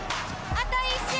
あと１周！